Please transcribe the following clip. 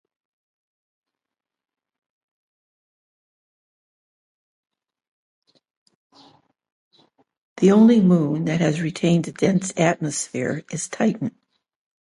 The only moon that has retained a dense atmosphere is Titan.